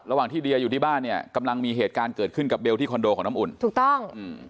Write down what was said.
ระหว่างที่เดียอยู่ที่บ้านเนี่ยกำลังมีเหตุการณ์เกิดขึ้นกับเบลที่คอนโดของน้ำอุ่นถูกต้องอืม